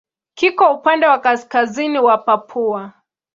Kiko upande wa kaskazini wa Papua.